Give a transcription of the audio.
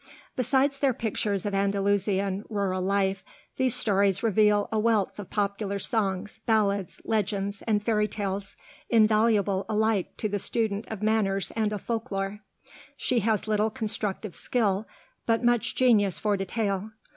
Besides their pictures of Andalusian rural life, these stories reveal a wealth of popular songs, ballads, legends, and fairy tales, invaluable alike to the student of manners and of folk lore. She has little constructive skill, but much genius for detail.